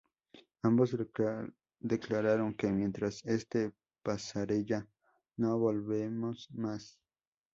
Ambos declararon que: "mientras este Passarella no volvemos más".